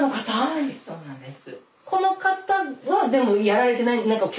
はいそうなんです。